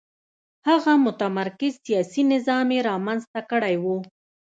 هغه متمرکز سیاسي نظام یې رامنځته کړی و.